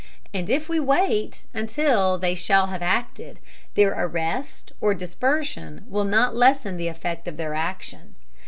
And if we wait until they shall have acted, their arrest or dispersion will not lessen the effect of their action.